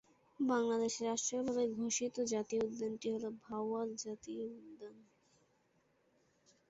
বাংলাদেশে রাষ্ট্রীয়ভাবে ঘোষিত জাতীয় উদ্যানটি হলো 'ভাওয়াল জাতীয় উদ্যান'।